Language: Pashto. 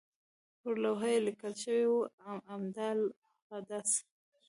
پر لوحه یې لیکل شوي وو اعمده القدس.